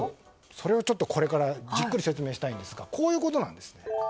それをこれからじっくり説明したいんですがこういうことなんです。